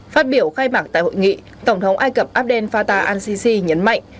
phát biểu khai mạc tại hội nghị tổng thống ai cập abdel fattah al sisi nhấn mạnh